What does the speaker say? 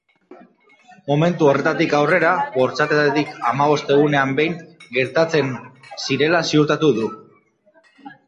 Momentu horretatik aurrera bortxaketak hamabost egunean behin gertatzen zirela ziurtatu du.